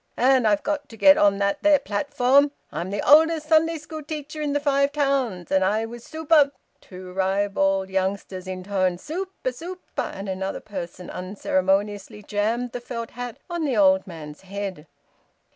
And I've got to get on that there platform. I'm th' oldest Sunday schoo' teacher i' th' Five Towns. And I was Super " Two ribald youngsters intoned `Super, Super,' and another person unceremoniously jammed the felt hat on the old man's head.